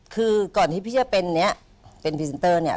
คือก่อนที่พี่จะเป็นเนี่ยเป็นพรีเซนเตอร์เนี่ย